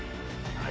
はい